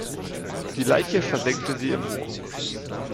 Die Leiche versenkte sie im Moor.